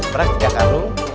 berang tiga kantung